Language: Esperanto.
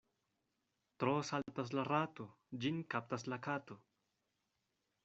Tro saltas la rato — ĝin kaptas la kato.